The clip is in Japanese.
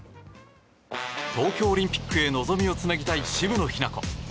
東京オリンピックへ望みをつなぎたい渋野日向子。